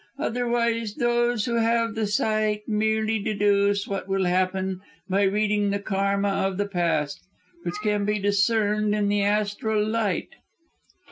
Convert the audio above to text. Otherwise those who have the sight merely deduce what will happen by reading the karma of the past, which can be discerned in the astral light."